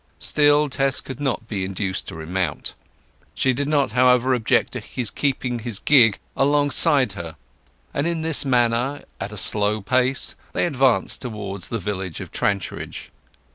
Still Tess could not be induced to remount. She did not, however, object to his keeping his gig alongside her; and in this manner, at a slow pace, they advanced towards the village of Trantridge.